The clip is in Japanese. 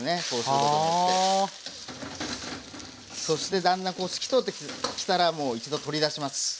そしてだんだんこう透き通ってきたら一度取り出します。